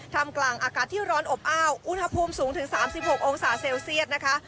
ทำกลางอากาศที่ร้อนอบอ้าวอุณหภูมิสูงถึง๓๖องศาเซลเซียสนะคะ